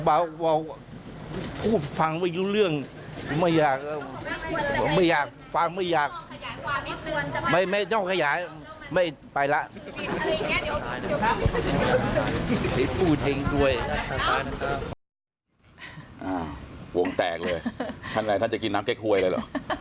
อ่าวงแตกเลยท่านแหละท่านจะกินน้ำแก๊กถ้วยเลยเหรอ